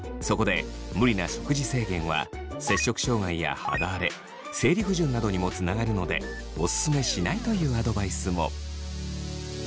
そこで無理な食事制限は摂食障害や肌荒れ生理不順などにもつながるのでおすすめしないというアドバイスも。